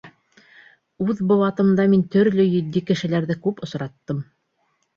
Үҙ быуатымда мин төрлө етди кешеләрҙе күп осраттым.